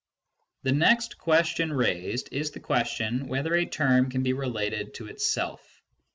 The next question raised is the question whether a term can be related to itself.